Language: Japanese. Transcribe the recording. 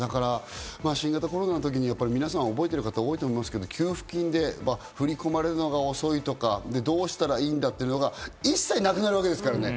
新型コロナの時に皆さん、覚えてる方も多いと思いますけど、給付金で振り込まれるのが遅いとか、どうしたらいいんだというのが一切なくなるわけですからね。